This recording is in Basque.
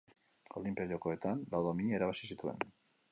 Olinpiar Jokoetan lau domina irabazi zituen.